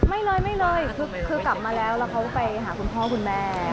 ไม่เลยไม่เลยคือกลับมาแล้วแล้วเขาไปหาคุณพ่อคุณแม่